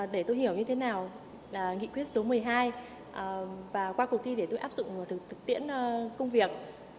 để tôi hiểu như thế nào là nghị quyết số một mươi hai và qua cuộc thi để tôi áp dụng thực tiễn công việc